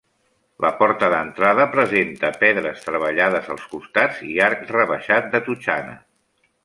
La porta d'entrada presenta pedres treballades als costats i arc rebaixat de totxana.